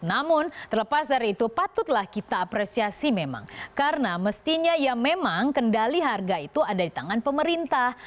namun terlepas dari itu patutlah kita apresiasi memang karena mestinya ya memang kendali harga itu ada di tangan pemerintah